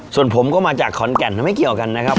ส่วนผมก็มาจากขอนแก่นไม่เกี่ยวกันนะครับ